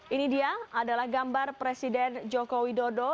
ini dia adalah gambar presiden joko widodo